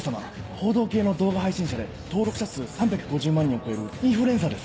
報道系の動画配信者で登録者数３５０万人を超えるインフルエンサーです。